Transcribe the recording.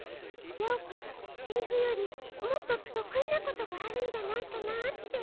ギャオくんセリフよりもっととくいなことがあるんじゃないかなって。